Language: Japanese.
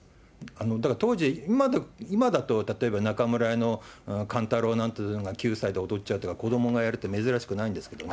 だから当時、今だと例えば中村屋の勘太郎なんていうのが、９歳で踊っちゃうとか、子どもがやるって珍しくないんですけど。